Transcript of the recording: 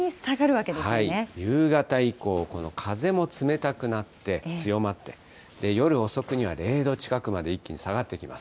夕方以降、風も冷たくなって、強まって、夜遅くには０度近くまで一気に下がってきます。